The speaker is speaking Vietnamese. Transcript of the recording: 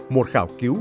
một khảo cứu